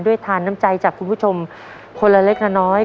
ทานน้ำใจจากคุณผู้ชมคนละเล็กละน้อย